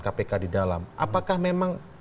kpk di dalam apakah memang